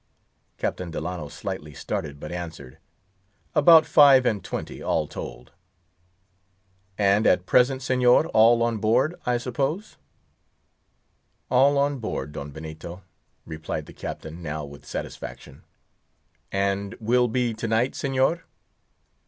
Captain Delano slightly started, but answered— "About five and twenty, all told." "And at present, Señor, all on board, I suppose?" "All on board, Don Benito," replied the Captain, now with satisfaction. "And will be to night, Señor?"